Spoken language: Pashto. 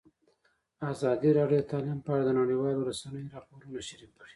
ازادي راډیو د تعلیم په اړه د نړیوالو رسنیو راپورونه شریک کړي.